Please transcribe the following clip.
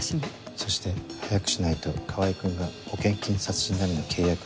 そして早くしないと川合君が保険金殺人並みの契約しちゃう。